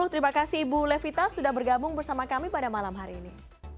terima kasih ibu levita sudah bergabung bersama kami pada malam hari ini